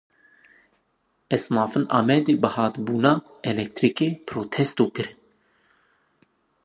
Esnafên Amedê bihabûna elektrîkê protesto kirin.